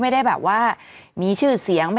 ไม่ได้มีชื่อเสียง